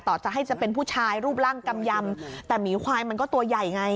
จะให้จะเป็นผู้ชายรูปร่างกำยำแต่หมีควายมันก็ตัวใหญ่ไง